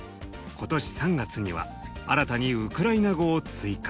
今年３月には新たにウクライナ語を追加。